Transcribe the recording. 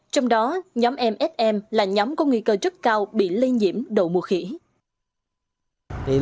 trong đó nhóm msm là nhóm có nguy cơ rất cao bị lây nhiễm đậu mùa khỉ